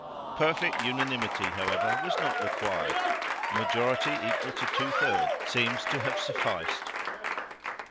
Perfect unanimity, however, was not required; a majority equal to two thirds seems to have sufficed.